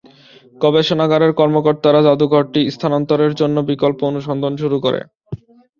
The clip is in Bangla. গবেষণাগারের কর্মকর্তারা জাদুঘরটি স্থানান্তরের জন্য বিকল্প অনুসন্ধান শুরু করে।